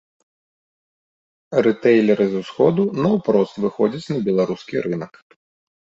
Рытэйлеры з усходу наўпрост выходзяць на беларускі рынак.